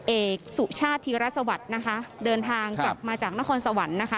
เอกสุชาติธิรัสวัสตร์เดินทางกลับมาจากนครสวรรค์